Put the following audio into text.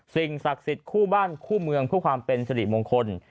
สิ่งศักดิ์สิทธิ์คู่บ้านคู่เมืองเพื่อความเป็นสริมงคล